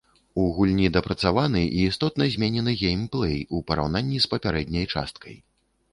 У гульні дапрацаваны і істотна зменены геймплэй у параўнанні з папярэдняй часткай.